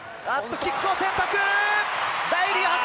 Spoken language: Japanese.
キックを選択！